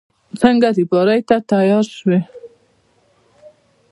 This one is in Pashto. څنګه رېبارۍ ته تيار شوې.